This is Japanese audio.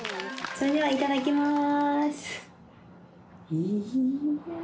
それではいただきます。